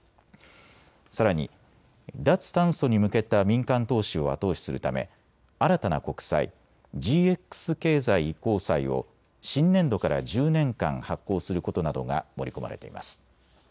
さらに脱炭素に向けた民間投資を後押しするため新たな国債、ＧＸ経済移行債を新年度から１０年間発行することなどが盛り込まれています。